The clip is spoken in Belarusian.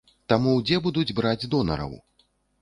Таму дзе будуць браць донараў?